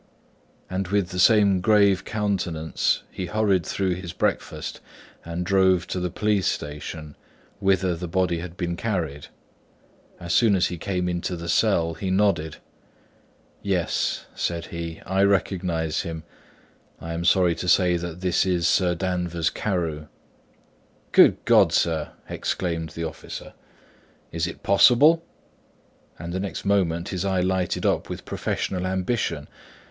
And with the same grave countenance he hurried through his breakfast and drove to the police station, whither the body had been carried. As soon as he came into the cell, he nodded. "Yes," said he, "I recognise him. I am sorry to say that this is Sir Danvers Carew." "Good God, sir," exclaimed the officer, "is it possible?" And the next moment his eye lighted up with professional ambition.